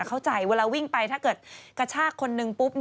เวลาวิ่งไปถ้าเกิดกระชากคนนึงปุ๊บ